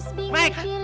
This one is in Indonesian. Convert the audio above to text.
kesian banget sih lo man